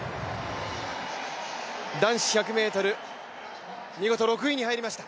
男子１００ｍ、見事６位に入りました